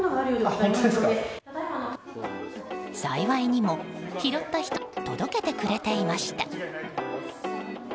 幸いにも拾った人が届けてくれていました。